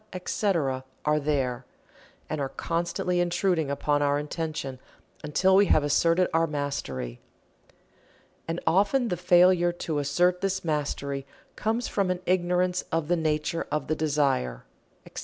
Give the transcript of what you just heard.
etc., are there, and are constantly intruding upon our attention until we have asserted our mastery. And often the failure to assert this mastery comes from an ignorance of the nature of the desire, etc.